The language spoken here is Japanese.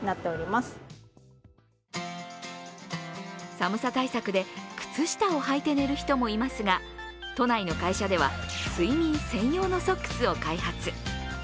寒さ対策で靴下を履いて寝る人もいますが、都内の会社では、睡眠専用のソックスを開発。